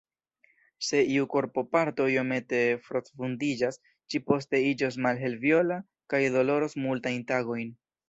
Se iu korpoparto iomete frostvundiĝas, ĝi poste iĝos malhelviola kaj doloros multajn tagojn.